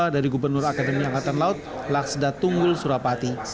dari gubernur akademi angkatan laut laksda tunggul surapati